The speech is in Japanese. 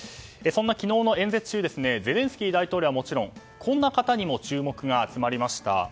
そんな昨日の演説中ゼレンスキー大統領はもちろんこんな方にも注目が集まりました。